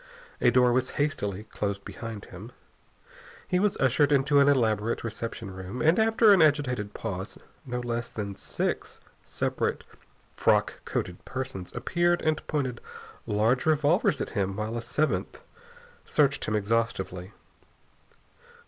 A door was hastily closed behind him. He was ushered into an elaborate reception room and, after an agitated pause, no less than six separate frock coated persons appeared and pointed large revolvers at him while a seventh searched him exhaustively.